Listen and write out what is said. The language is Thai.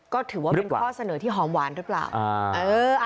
ก็ถือว่าเป็นข้อเสนอที่หอมหวานหรือเปล่า